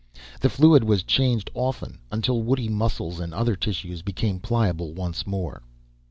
The fluid was changed often, until woody muscles and other tissues became pliable once more.